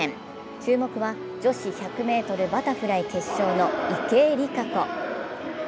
注目は、女子１００ｍバタフライ決勝の池江璃花子。